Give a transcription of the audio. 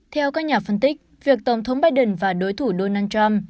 theo các nhà phân tích việc tổng thống biden và đối thủ donald trump